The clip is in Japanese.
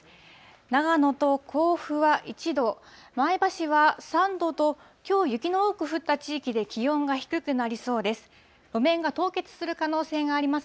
長野と甲府は１度、前橋は３度と、きょう雪の多く降った地域で気温が低くなりそうです。